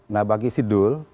nah bagi sidul